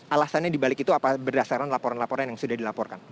alasannya dibalik itu apa berdasarkan laporan laporan yang sudah dilaporkan